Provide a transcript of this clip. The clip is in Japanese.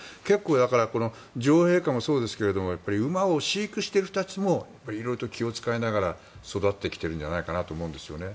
だから女王陛下もそうですけど馬を飼育している人たちもいろいろ気を使いながら育ってきてるんじゃないかなと思うんですよね。